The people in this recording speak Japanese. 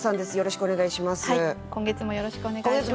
今月もよろしくお願いします。